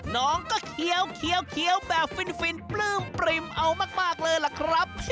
น้องก็เคี้ยวแบบฟินปลื้มปริ่มเอามากเลยล่ะครับ